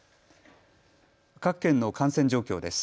各県の感染状況です。